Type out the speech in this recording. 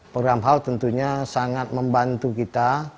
program hal tentunya sangat membantu kita